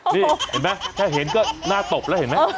นี่เห็นไหมแค่เห็นก็หน้าตบแล้วเห็นไหม